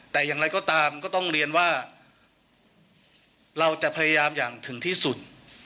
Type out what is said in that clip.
แต่อย่างไรก็ตามก็ต้องเรียนว่าเราจะพยายามอย่างถึงที่สุด